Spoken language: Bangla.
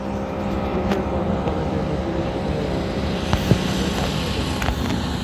পূর্বের কর্মফলে সে শক্তি সঞ্চিত হয়ে আছে, আমরা তাই নিয়ে জন্মেছি।